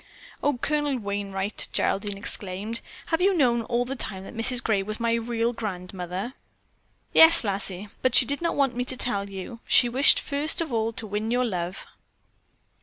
"Oh, Colonel Wainright," Geraldine exclaimed, "have you known all the time that Mrs. Gray was my real grandmother?" "Yes, lassie, but she did not want me to tell you. She wished first of all to win your love."